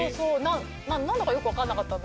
何だかよく分かんなかったんだけど。